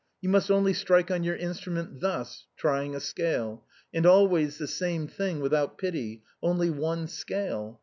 You must only strike on your instrument, thus," trying a scale, " and always the same thing without pity, only one scale.